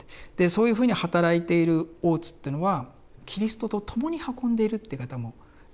そういうふうに働いている大津というのはキリストと共に運んでいるって言い方もできるわけですよね。